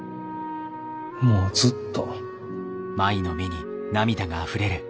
もうずっと。